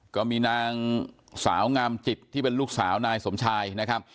ก็มีนางสาวงามจิตที่เป็นลูกสาวนายสมชายนะครับ